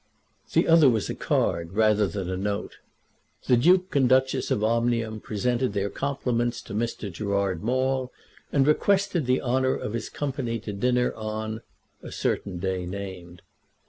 The other was a card rather than a note. The Duke and Duchess of Omnium presented their compliments to Mr. Gerard Maule, and requested the honour of his company to dinner on, a certain day named.